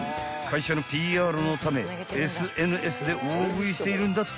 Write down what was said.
［会社のＰＲのためＳＮＳで大食いしているんだってよ］